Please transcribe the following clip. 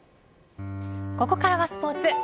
ここからはスポーツ。